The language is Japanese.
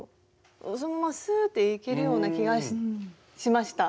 そのまますっていけるような気がしました。